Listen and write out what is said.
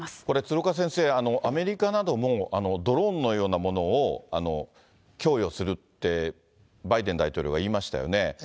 これ、鶴岡先生、アメリカなども、ドローンのようなものを供与するってバイデン大統領は言いましたよね。